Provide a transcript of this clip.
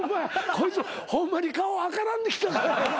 こいつホンマに顔赤らんできたからやな。